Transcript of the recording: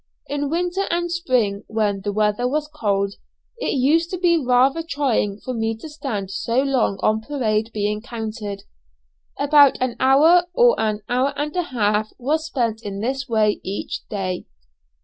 In winter and spring, when the weather was cold, it used to be rather trying for me to stand so long on parade being counted. About an hour or an hour and a half was spent in this way each day.